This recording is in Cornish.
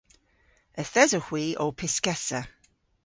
Yth esowgh hwi ow pyskessa.